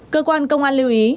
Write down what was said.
cơ quan công an lưu ý